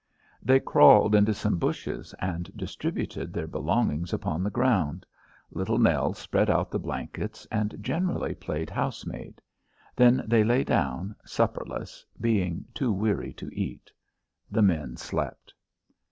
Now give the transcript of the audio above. They crawled into some bushes, and distributed their belongings upon the ground. Little Nell spread out the blankets, and generally played housemaid. Then they lay down, supperless, being too weary to eat. The men slept.